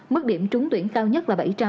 mức điểm trúng tuyển cao nhất là bảy trăm linh